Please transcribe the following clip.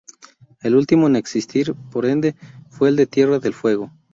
El último en existir, por ende, fue el de Tierra del Fuego.